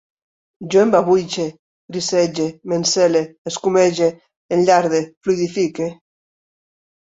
Jo embabuixe, grisege, m'encele, escumege, enllarde, fluïdifique